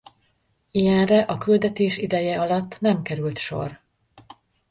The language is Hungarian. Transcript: Ilyenre a küldetés ideje alatt nem került sor.